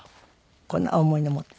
こんな重いの持って？